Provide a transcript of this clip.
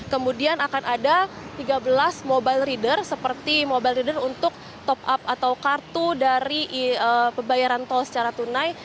kemudian akan ada tiga belas mobile reader seperti mobile reader untuk top up atau kartu dari pembayaran tol secara tunai